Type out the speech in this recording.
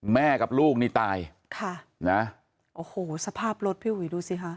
แม่กับลูกนี้ตายโอ้โหสภาพรถพี่ห่วงดูซิฮะ